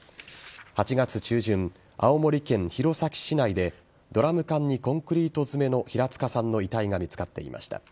８月中旬、青森県弘前市内でドラム缶にコンクリート詰めの平塚さんの遺体が見つかっていました。